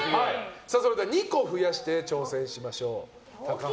それでは２個増やして挑戦しましょう。